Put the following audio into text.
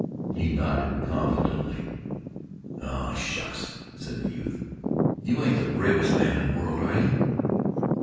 He nodded confidently. "Oh, shucks!" said the youth. "You ain't the bravest man in the world, are you?"